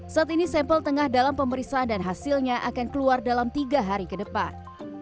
saat ini sampel tengah dalam pemeriksaan dan hasilnya akan keluar dalam tiga hari ke depan